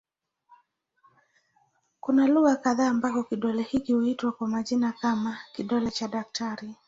Kuna lugha kadha ambako kidole hiki huitwa kwa majina kama "kidole cha daktari".